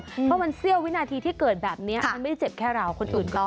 เพราะมันเสี้ยววินาทีที่เกิดแบบนี้มันไม่ได้เจ็บแค่เราคนอื่นก็